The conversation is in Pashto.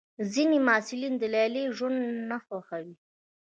ځینې محصلین د لیلیې ژوند نه خوښوي.